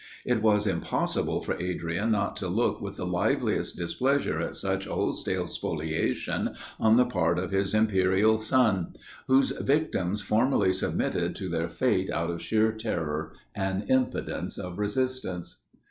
It was impossible for Adrian not to look with the liveliest displeasure at such wholesale spoliation on the part of his imperial son; whose victims formally submitted to their fate out of sheer terror and impotence of resistance.